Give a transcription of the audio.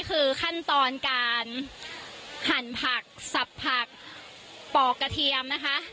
คือขั้นตอนการหั่นผักสับผักปอกกระเทียมนะคะ